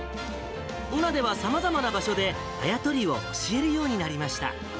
今ではさまざまな場所であや取りを教えるようになりました。